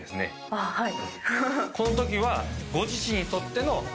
あっはい。